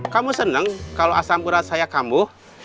kamu senang kalau asam urat saya kambuh